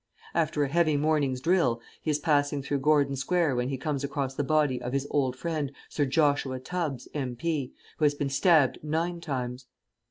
After a heavy morning's drill he is passing through Gordon Square when he comes across the body of his old friend, Sir Joshua Tubbs, M.P., who has been stabbed nine times.